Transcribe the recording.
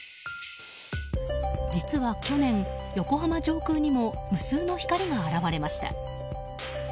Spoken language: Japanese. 実は去年、横浜上空にも無数の光が現れました。